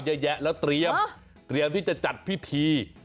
เยอะแยะแล้วเตรียมที่จะจัดพิธี